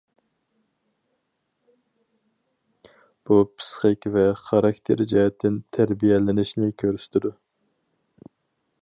بۇ پىسخىك ۋە خاراكتېر جەھەتتىن تەربىيەلىنىشنى كۆرسىتىدۇ.